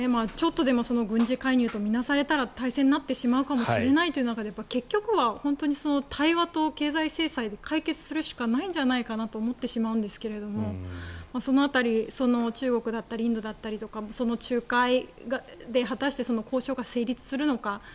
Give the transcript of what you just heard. ちょっとでも軍事介入と見なされたら大戦になってしまうかもしれないという中で結局は対話と経済制裁で解決するしかないんじゃないかと思ってしまうんですけれどその辺り中国だったりインドだったりもその仲介で果たして交渉が成立するのか